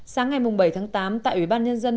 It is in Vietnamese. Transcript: sáng ngày bảy tháng tám tại ủy ban nhân dân